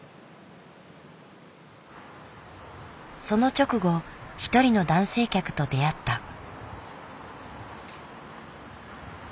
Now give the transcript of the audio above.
その直後一人の男性客と出会った。